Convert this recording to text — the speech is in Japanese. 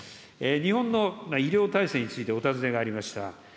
日本の医療体制についてお尋ねがありました。